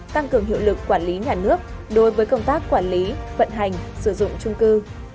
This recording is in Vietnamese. tăng cường hiệu lực quản lý nhà nước đối với công tác quản lý vận hành sử dụng trung cư